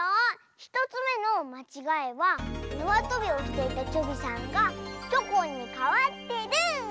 １つめのまちがいはなわとびをしていたチョビさんがチョコンにかわってる！